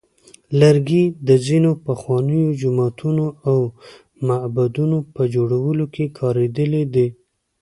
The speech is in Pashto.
لرګي د ځینو پخوانیو جوماتونو او معبدونو په جوړولو کې کارېدلی دی.